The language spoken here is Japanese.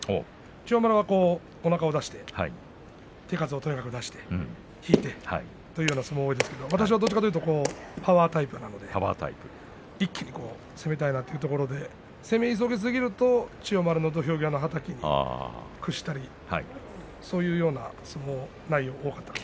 千代丸はおなかを出して手数をとにかく出して引いてという相撲が多いですけど私はどちらかというとパワータイプなので一気に攻めたいなというところで攻め急ぎすぎると千代丸の土俵際のはたきに屈したりそういうような相撲内容